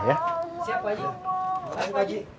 siap pak haji